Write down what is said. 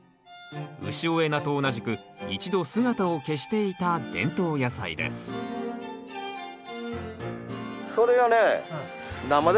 潮江菜と同じく一度姿を消していた伝統野菜ですそれをね